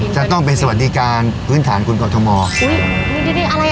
จะต้องเป็นสวัสดีการพื้นฐานคุณกรทมอุ้ย